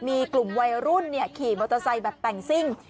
มีกลุ่มวัยรุ่นขี่มอเตอร์ไซค์แบบแต่งซิ่ง